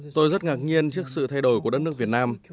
tôi rất ngạc nhiên trước sự thay đổi của đất nước việt nam